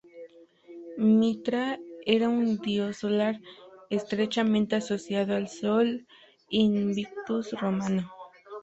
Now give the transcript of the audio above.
Mitra era un dios solar, estrechamente asociado al Sol Invictus romano.